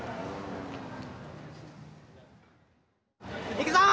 いくぞ！